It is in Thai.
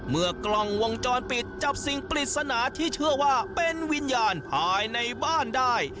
เมื่อกล้องวงจรปิดจับสิ่งปริศนาที่เชื่อว่าเป็นวิญญาณภายในบ้านได้